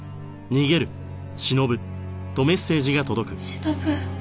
しのぶ。